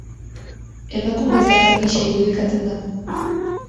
Emakume zahar gisa irudikatzen da.